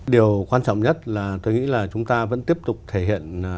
điều quan trọng nhất là tôi nghĩ là chúng ta vẫn tiếp tục thể hiện